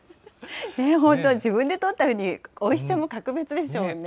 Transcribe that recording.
本当、自分で取ったウニ、おいしさも格別でしょうね。